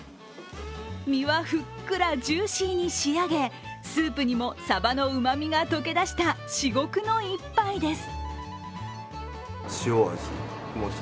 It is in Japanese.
身はふっくらジューシーに仕上げ、スープにもサバのうまみが溶け出した至極の一杯です。